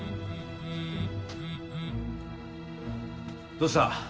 どうした？